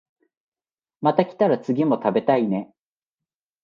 また来たら次も食べたいね